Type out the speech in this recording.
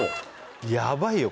ヤバイよ